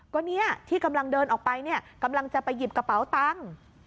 ก็เนี่ยที่กำลังเดินออกไปเนี่ยกำลังจะไปหยิบกระเป๋าตังค์